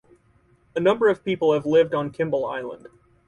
A number of people have lived on Kimball Island.